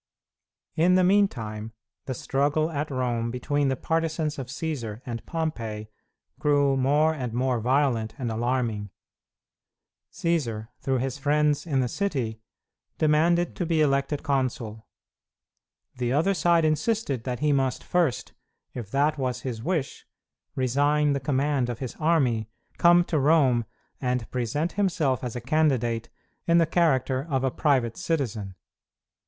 In the meantime, the struggle at Rome between the partisans of Cćsar and Pompey grew more and more violent and alarming. Cćsar, through his friends in the city, demanded to be elected consul. The other side insisted that he must first, if that was his wish, resign the command of his army, come to Rome, and present himself as a candidate in the character of a private citizen.